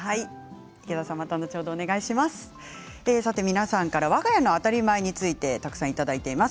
皆さんから、わが家の当たり前についてたくさんいただいています。